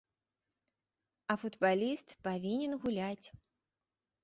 А футбаліст павінен гуляць.